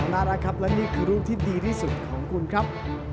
น่ารักครับและนี่คือรูปที่ดีที่สุดของคุณครับ